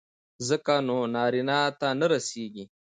ځکه نو نارينه ته نه رسېږي.